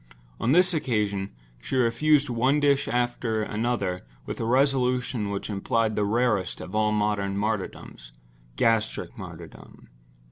On this occasion she refused one dish after another with a resolution which implied the rarest of all modern martyrdoms—gastric martyrdom.